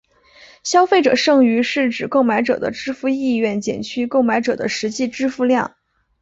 消费者剩余是指购买者的支付意愿减去购买者的实际支付量。